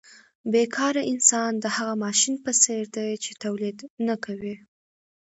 بې کاره انسان د هغه ماشین په څېر دی چې تولید نه کوي